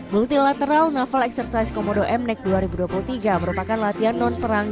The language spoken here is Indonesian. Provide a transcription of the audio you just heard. multilateral naval exercise komodo m nec dua ribu dua puluh tiga merupakan latihan non perang